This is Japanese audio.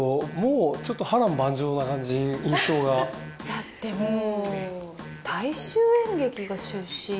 だってもう。